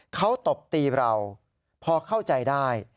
เขาตบตีเราพอเข้าใจได้